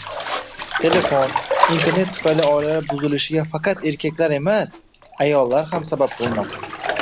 Telefon, internet tufayli oilalar buzilishiga faqat erkaklar emas, ayollar ham sabab bo‘lmoqda.